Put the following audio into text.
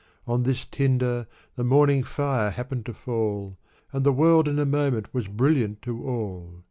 On this tinder, the morning fire happened to fall, And the world in a moment was brilliant to all.